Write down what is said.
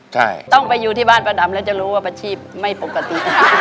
ใช่ต้องไปอยู่ที่บ้านป้าดำแล้วจะรู้ว่าอาชีพไม่ปกติ